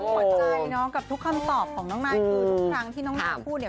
หักขอใจกับทุกคำตอบของน้องแนอคทุกครั้งที่น้องแนอคพูดนี่